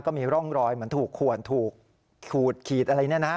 ก็มีร่องรอยเหมือนถูกขวนถูกขูดขีดอะไรเนี่ยนะ